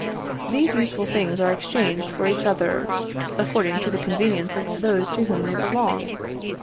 These useful things are exchanged for each other, according to the convenience of those to whom they belong.